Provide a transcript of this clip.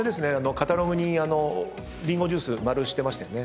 カタログにりんごジュース丸してましたよね？